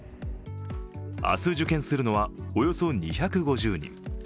明日、受験するのはおよそ２５０人。